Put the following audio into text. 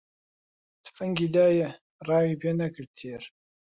تفەنگی دایە، ڕاوی پێ نەکرد تێر